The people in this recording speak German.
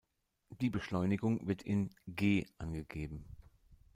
Die Beschleunigung wird in "g" angegeben.